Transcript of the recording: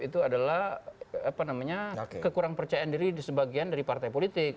itu adalah kekurang percayaan diri sebagian dari partai politik